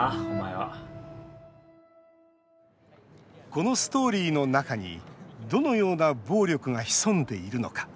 このストーリーの中にどのような暴力が潜んでいるのか。